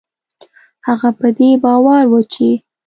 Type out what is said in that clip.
هغه په دې باور و چې